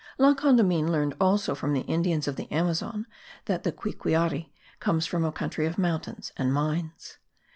La Condamine learned also from the Indians of the Amazon that the Quiquiari comes from a country of mountains and mines.